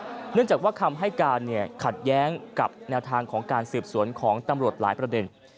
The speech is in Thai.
เนื่องจากว่าคำให้การขัดแย้งกับแนวทางของการสืบสวนของตำรวจหลายประเด็น